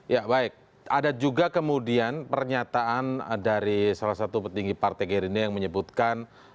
ya baik ada juga kemudian pernyataan dari salah satu petinggi partai gerindra yang menyebutkan